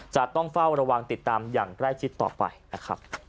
จะต้องเฝ้าระวังติดตามอย่างใกล้ชิดต่อไปนะครับ